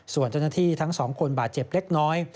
ส่วนเจ้าหน้าที่ทั้งสองคนบาดเจ็บเล็กน้อย